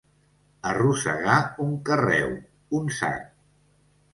Arrossegar un carreu, un sac.